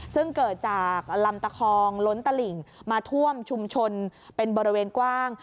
ซึ่งเกิดจากลำตะคองล้นตลิ่งมาท่วมชุมชนเป็นบริเวณกว้าง